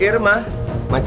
itu salah sangka